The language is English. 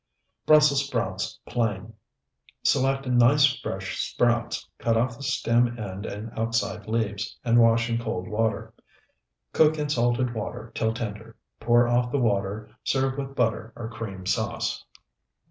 BRUSSELS SPROUTS PLAIN Select nice, fresh sprouts, cut off the stem end and outside leaves, and wash in cold water. Cook in salted water till tender. Pour off the water; serve with butter or cream sauce.